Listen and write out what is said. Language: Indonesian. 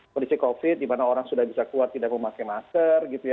kondisi covid dimana orang sudah bisa keluar tidak memakai masker gitu ya